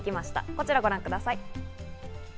こちらをご覧ください。